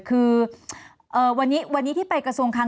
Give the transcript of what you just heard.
คือวันนี้ที่ไปกระทรวงคลัง